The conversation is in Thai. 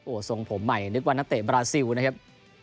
ทรงผมใหม่นึกว่านักเตะบราซิลนะครับ